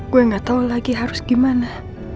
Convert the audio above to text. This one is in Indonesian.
gue gak tau lagi harus gimana